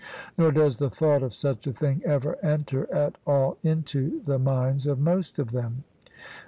Nor does the thought of such a thing ever enter at all into the minds of most of them.